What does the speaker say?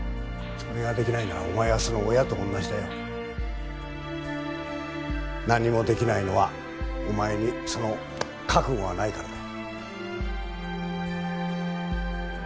それができないならお前はその親と同じだよ何もできないのはお前にその覚悟がないからだよ